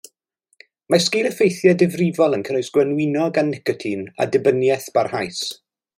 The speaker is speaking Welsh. Mae sgil-effeithiau difrifol yn cynnwys gwenwyno gan nicotin a dibyniaeth barhaus.